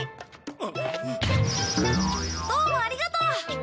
どうもありがとう！